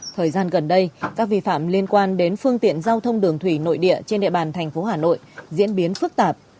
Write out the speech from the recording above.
thời gian gần đây các vi phạm liên quan đến phương tiện giao thông đường thủy nội địa trên địa bàn thành phố hà nội diễn biến phức tạp